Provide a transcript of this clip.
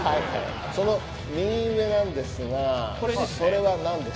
その右上なんですがそれは何ですか？